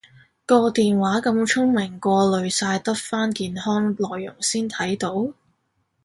個電話咁聰明過濾晒得返健康內容先睇到？